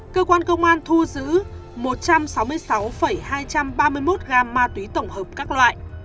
cơ quan công an thu giữ một trăm sáu mươi sáu hai trăm ba mươi một gam ma túy tổng hợp các loại